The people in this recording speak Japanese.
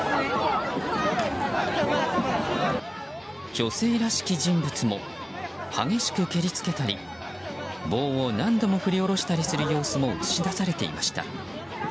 女性らしき人物も激しく蹴りつけたり棒を何度も振り下ろしたりする様子も映し出されていました。